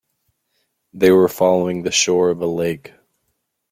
They were following the shore of a lake.